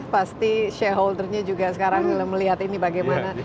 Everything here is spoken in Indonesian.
pasti shareholdernya juga sekarang melihat ini bagaimana